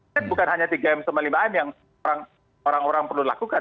dan bukan hanya tiga m sama lima m yang orang orang perlu lakukan